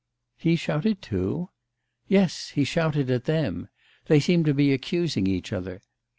'He shouted too?' 'Yes. He shouted at them. They seemed to be accusing each other.